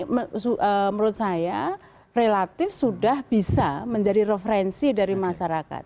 menurut saya relatif sudah bisa menjadi referensi dari masyarakat